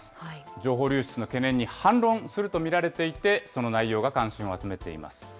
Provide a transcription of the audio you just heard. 情報流出の懸念に反論すると見られていて、その内容が関心を集めています。